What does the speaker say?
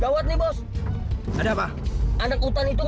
cepat tembak si anak hutan itu